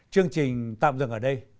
chương trình tạm dừng ở đây